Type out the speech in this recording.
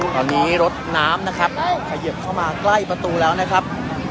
ตอนนี้รถน้ำนะครับเขยิบเข้ามาใกล้ประตูแล้วนะครับ